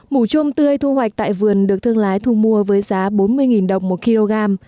mủ trôm tươi thu hoạch tại vườn được thương lái thu mua với giá bốn mươi đồng một kg